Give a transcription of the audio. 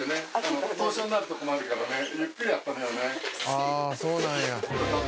「ああそうなんや」